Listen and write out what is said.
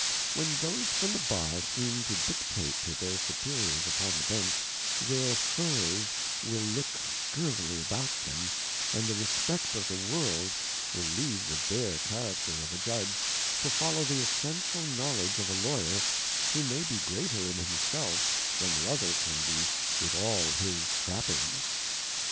When those from the Bar seem to dictate to their Superiours upon the Bench, their Furrs will look scurvily about them, and the respect of the World will leave the bare Character of a Judge, to follow the Essential knowledge of a Lavryer, who may be greater in himself, than the other can be with all his Trap pings.